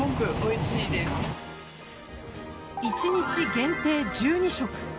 １日限定１２食。